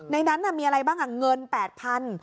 อ๋อในนั้นน่ะมีอะไรบ้างอ่ะเงิน๘๐๐๐บาท